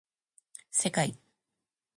せかい